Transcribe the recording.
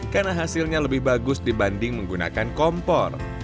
karena hasilnya lebih bagus dibanding menggunakan kompor